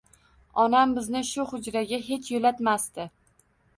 Onam bizni shu hujraga hech yo‘latmasdi.